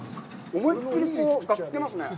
思いきりがっつけますね。